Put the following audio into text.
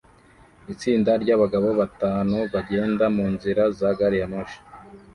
Itsinda ryabagabo batanu bagenda munzira za gari ya moshi